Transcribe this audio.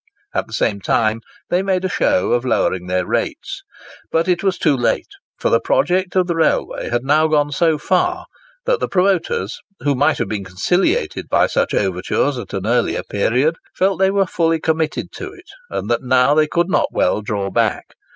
At the same time they made a show of lowering their rates. But it was too late; for the project of the railway had now gone so far that the promoters (who might have been conciliated by such overtures at an earlier period) felt they were fully committed to it, and that now they could not well draw back.